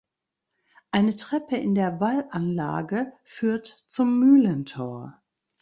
Eine Treppe in der Wallanlage führt zum Mühlentor.